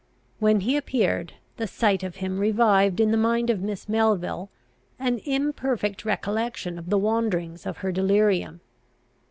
When he appeared, the sight of him revived in the mind of Miss Melville an imperfect recollection of the wanderings of her delirium.